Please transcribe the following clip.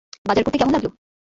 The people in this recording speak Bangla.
বাজার করতে কেমন লাগল?